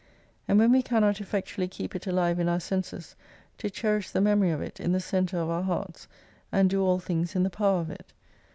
And when we cannot effectually keep it alive in our senses, to cherish the memory of it in the centre of our hearts, and do all things in the power of it.